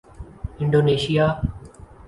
Indonesia